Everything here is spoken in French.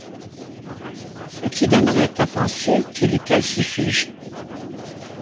Ce qui donnerait à penser qu'il est calcifuge.